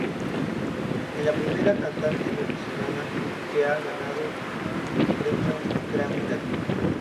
Es la primera cantante venezolana que ha ganado un Premio Grammy Latino.